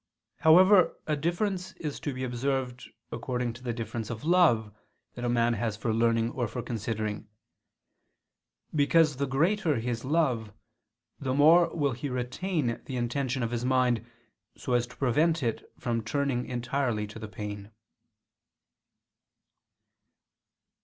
However a difference is to be observed according to the difference of love that a man has for learning or for considering: because the greater his love, the more will he retain the intention of his mind so as to prevent it from turning entirely to the pain.